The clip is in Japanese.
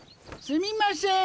すみません